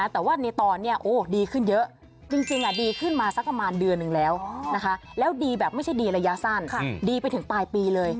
แต่ว่าในตอนนี้ดีขึ้นเยอะจริงดีขึ้นมาสักประมาณเดือนหนึ่งแล้วแล้วดีแบบไม่ใช่ดีระยะสั้นดีไปถึงปลายปีเลย